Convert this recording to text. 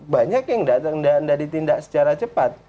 banyak yang datang dan tidak ditindak secara cepat